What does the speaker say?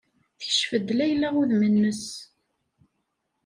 Tekcef-d Layla udem-nnes.